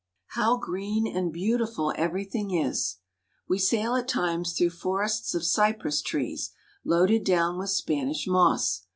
How green and beautiful everything is! We sail at times through forests of cypress trees, loaded down with Spanish moss.